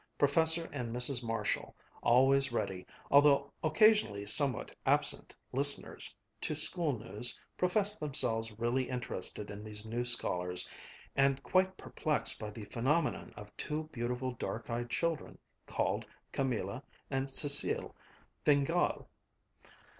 Professor and Mrs. Marshall, always ready, although occasionally somewhat absent, listeners to school news, professed themselves really interested in these new scholars and quite perplexed by the phenomenon of two beautiful dark eyed children, called Camilla and Cécile Fingál.